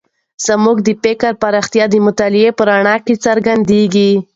زموږ د فکر پراختیا د مطالعې په رڼا کې څرګندېږي.